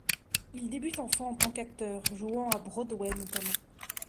Il débute enfant en tant qu'acteur, jouant à Broadway notamment.